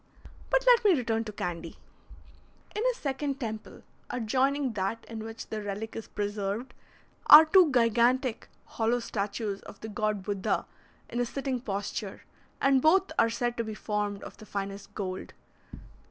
But let me return to Candy. In a second temple, adjoining that in which the relic is preserved, are two gigantic hollow statues of the god Buddha in a sitting posture, and both are said to be formed of the finest gold.